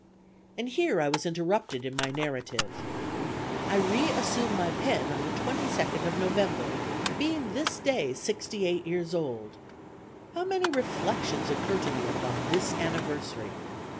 "And here I was interrupted in my narrative. "I re assume my pen upon the 22d of November, being this day sixty eight years old. How many reflections occur to me upon this anniversary!